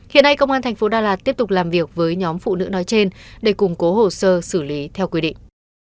hiện nay công an thành phố đà lạt tiếp tục làm việc với nhóm phụ nữ nói trên để củng cố hồ sơ xử lý theo quy định